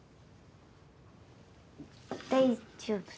大丈夫。